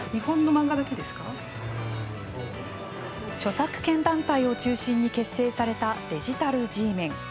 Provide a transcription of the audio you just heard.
著作権団体を中心に結成されたデジタルＧメン。